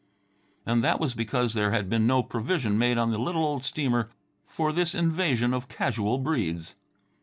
And that was because there had been no provision made on the little old steamer for this invasion of casual Breedes.